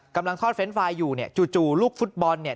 กำลังทอดเฟรนด์ไฟล์อยู่เนี่ยจู่ลูกฟุตบอลเนี่ย